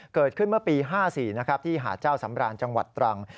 เกิดขึ้นเมื่อปี๕๔ที่หาเจ้าสำราญจังหวัดตรังกร์